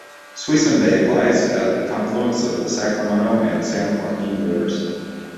Suisun Bay lies at the confluence of the Sacramento and San Joaquin Rivers.